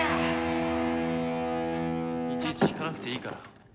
いちいち弾かなくていいから。